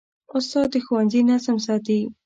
استاد د ښوونځي نظم ساتي.